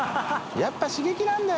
やっぱ刺激なんだよ！」